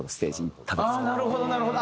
あっなるほどなるほど。